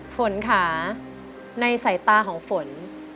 ฝนค่ะในสายตาของฝน